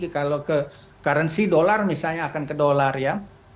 kalau ke currency dolar misalnya akan ke dolar ya